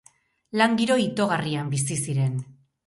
Lan giro itogarrian bizi ziren.